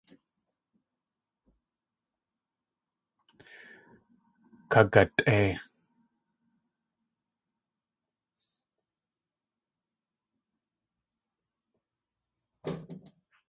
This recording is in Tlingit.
Kagatʼei!